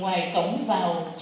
chỗ nào cũng sạch chỗ nào cũng sạch